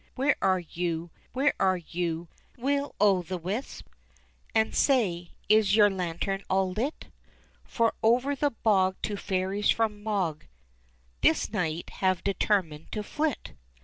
where are you, where are you, Will o' the wisp ? And say, is your lantern all lit ? For over the bog two fairies from Mogg This night have determined to flit.